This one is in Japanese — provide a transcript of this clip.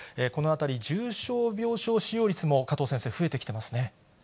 このあたり、重症病床使用率も加藤先生、増えてきてますね。